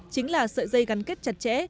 chính là sợi dây gắn kết chặt chẽ